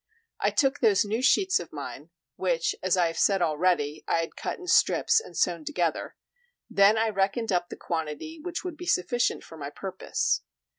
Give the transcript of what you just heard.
I took those new sheets of mine, which, as I have said already, I had cut in strips and sewn together; then I reckoned up the quantity which would be sufficient for my purpose.